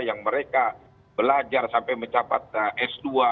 yang mereka belajar sampai mencapai s dua